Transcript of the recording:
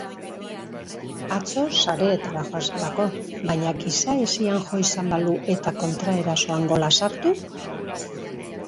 Atzo sareetara joan zelako baina giza-hesian jo izan balu eta kontraerasoan gola sartu?